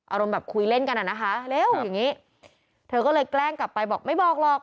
อารมณ์แบบคุยเล่นกันอ่ะนะคะเร็วอย่างนี้เธอก็เลยแกล้งกลับไปบอกไม่บอกหรอก